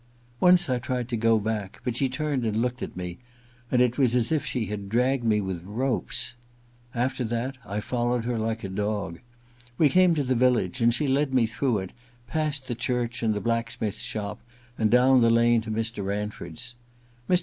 Once I tried to go back ; but she turned and looked at me, and it was as if she had dragged me with ropes. After that I followed her Uke a dog. We came to the village and she led me through it, past the church and the blacksmith's shop, and down the lane to Mr. Ranford's. Mr.